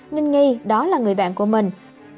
nên nghi đó là người bạn của mình